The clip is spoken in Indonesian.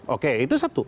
oke itu satu